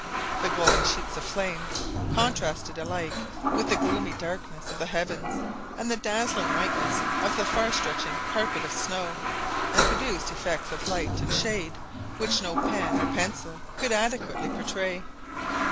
The glowing sheets of flames contrasted alike with the gloomy darkness of the heavens and the dazzling whiteness of the far stretching carpet of snow, and produced effects of light and shade which no pen or pencil could adequately portray.